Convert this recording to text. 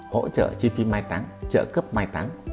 hỗ trợ chi phí mai táng trợ cấp mai táng